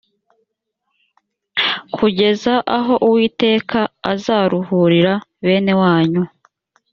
kugeza aho uwiteka azaruhurira bene wanyu